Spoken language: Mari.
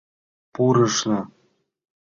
— Пурышна!